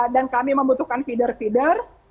dan kami membutuhkan feeder feeder